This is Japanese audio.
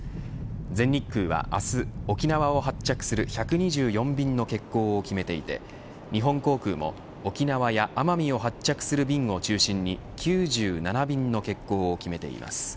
全日空は明日沖縄を発着する１２４便の欠航を決めていて日本航空も沖縄や奄美を発着する便を中心に９７便の欠航を決めています。